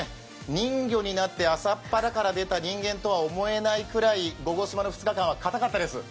人魚になって朝っぱらから出たのとは違い、「ゴゴスマ」の２日間はかたかったです。